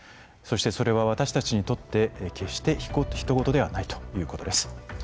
そしてそれは私たちにとって決してひと事ではないということです。